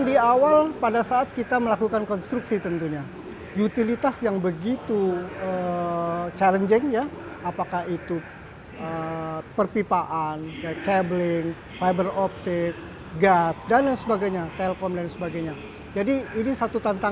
sudah empat tahun mrt atau mass rapid transit merupakan bagian dari kehidupan jakarta lebih dari enam puluh juta persen